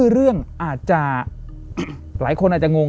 เรื่องอาจจะหลายคนอาจจะงง